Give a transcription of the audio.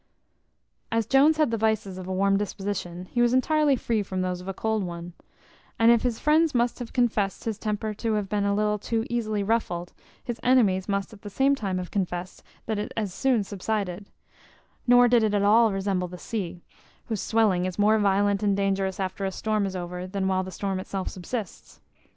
As Jones had the vices of a warm disposition, he was entirely free from those of a cold one; and if his friends must have confest his temper to have been a little too easily ruffled, his enemies must at the same time have confest, that it as soon subsided; nor did it at all resemble the sea, whose swelling is more violent and dangerous after a storm is over than while the storm itself subsists.